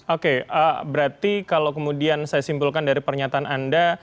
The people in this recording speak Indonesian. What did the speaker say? oke berarti kalau kemudian saya simpulkan dari pernyataan anda